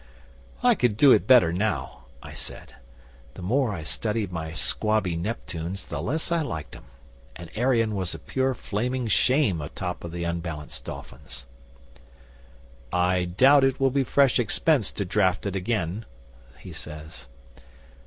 '"I could do it better now," I said. The more I studied my squabby Neptunes the less I liked 'em; and Arion was a pure flaming shame atop of the unbalanced dolphins. '"I doubt it will be fresh expense to draft it again," he says.